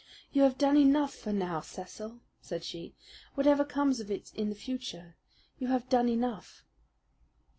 "You have done enough for now, Cecil," said she. "Whatever comes of it in the future, you have done enough."